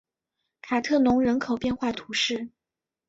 卡特农人口变化图示